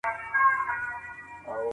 موږ به خپل داخلي صنعت نور هم پياوړی کړو.